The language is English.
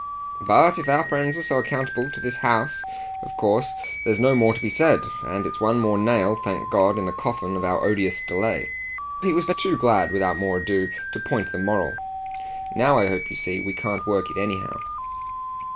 But if our friends are so accountable to this house of course there's no more to be said. And it's one more nail, thank God, in the coffin of our odious delay." He was but too glad without more ado to point the moral. "Now I hope you see we can't work it anyhow."